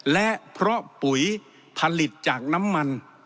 และเพราะปุ๋ยผลิตจากน้ำมัน